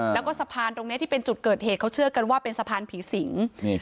แล้วก็สะพานตรงนี้ที่เป็นจุดเกิดเหตุเขาเชื่อกันว่าเป็นสะพานผีสิง